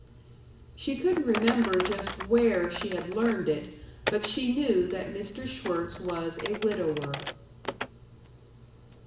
She couldn't remember just where she had learned it, but she knew that Mr. Schwirtz was a widower.